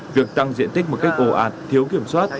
việc tăng diện tích một cách ồ ạt thiếu kiểm soát